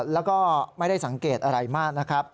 แล้วก็ไม่ได้สังเกตอะไรมากนะครับ